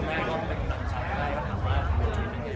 แล้วก็ว่าหัวชุยไปด้วยบ้านอะไรอย่างนี้